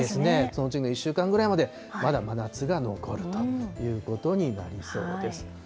その次の１週間ぐらいまで、まだまだ夏が残るということになりそうです。